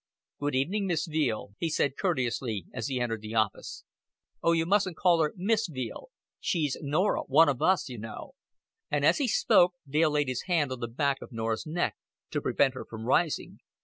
"Good evening, Miss Veale," he said courteously as he entered the office. "Oh, you mustn't call her Miss Veale. She's Norah one of us, you know." And as he spoke, Dale laid his hand on the back of Norah's neck to prevent her from rising.